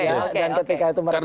dan ketika itu mereka akan